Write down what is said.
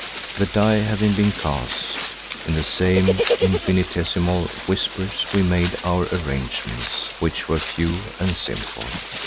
The die having been cast, in the same infinitesimal whispers we made our arrangements, which were few and simple.